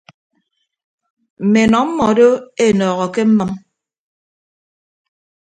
Mme enọ mmọdo enọọho ke mmʌm.